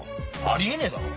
あり得ねえだろ？